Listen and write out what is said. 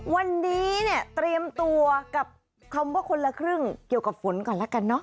วันนี้เนี่ยเตรียมตัวกับคำว่าคนละครึ่งเกี่ยวกับฝนก่อนละกันเนอะ